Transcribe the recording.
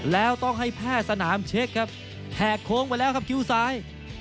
แล้วต้องให้แพทย์สนามเช็คครับแหกโค้งไปแล้วครับคิ้วซ้าย